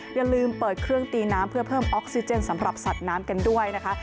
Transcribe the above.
อย่าลืมเปิดเครื่องตีน้ำเพื่อเพิ่มออกซิเจนสำหรับสัตว์น้ำกันด้วยนะคะ